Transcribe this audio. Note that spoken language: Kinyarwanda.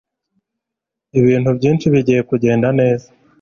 ibintu byinshi bigiye kugenda neza